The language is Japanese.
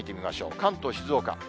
関東、静岡。